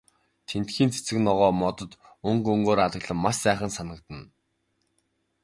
Тэндхийн цэцэг ногоо, модод өнгө өнгөөр алаглан маш сайхан санагдана.